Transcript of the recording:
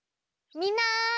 みんな！